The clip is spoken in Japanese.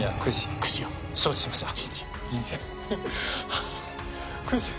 はあ９時。